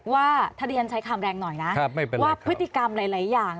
ว่าถ้าที่ฉันใช้คำแรงหน่อยนะว่าพฤติกรรมหลายอย่าง